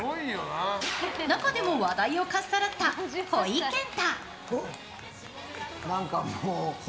中でも話題をかっさらったほいけんた。